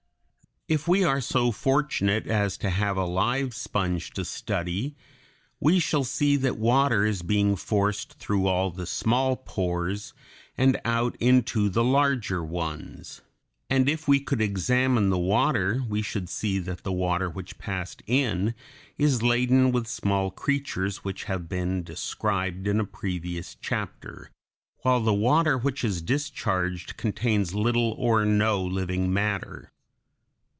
If we are so fortunate as to have a live sponge to study, we shall see that water is being forced through all the small pores and out into the larger ones; and if we could examine the water, we should see that the water which passed in, is laden with living creatures which have been described in a previous chapter, while the water which is discharged contains little or no living matter.